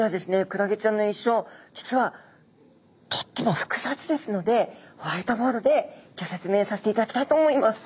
クラゲちゃんの一生実はとっても複雑ですのでホワイトボードでギョ説明させていただきたいと思います。